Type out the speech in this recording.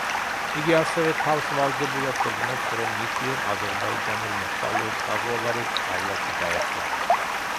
იგი ასევე თავს ვალდებულად გრძნობს რომ ნიჭიერ, აზერბაიჯანელ მოსწავლეებს საზღვარგარეთ სწავლაში დაეხმაროს.